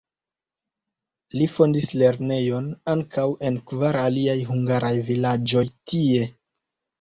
Li fondis lernejojn ankaŭ en kvar aliaj hungaraj vilaĝoj tie.